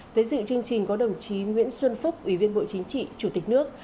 tới dự chương trình có đồng chí nguyễn xuân phúc ủy viên bộ chính trị chủ tịch nước